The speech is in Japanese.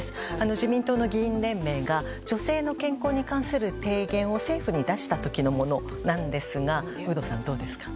自民党の議員連盟が女性の健康に関する提言を政府に出した時のものなんですが有働さん、どうですか。